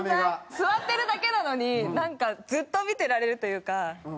座ってるだけなのになんかずっと見てられるというか。